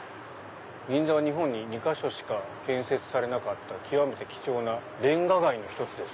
「銀座は日本に二箇所しか建設されなかったきわめて貴重な煉瓦街の一つです」